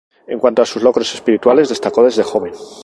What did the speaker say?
En cuanto a sus logros espirituales, destacó desde joven.